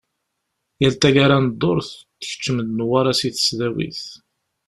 Yal taggara n ddurt, tkeččem-d Newwara si tesdawit.